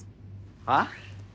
はっ？